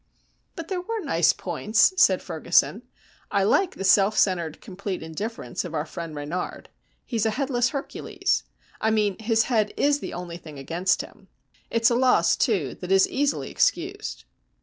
"But there were nice points," said Ferguson. "I like the self centred, complete indifference of our friend Renard. He's a headless Hercules. I mean, his head is the only thing against him. It's a loss, too, that is easily excused.